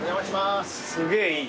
すげえいい。